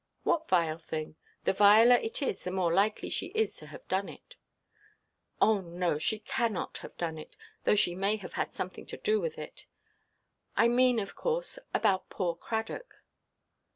"What vile thing? The viler it is, the more likely she is to have done it." "Oh no, she cannot have done it, though she may have had something to do with it. I mean, of course, about poor Cradock."